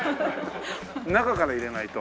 中から入れないと。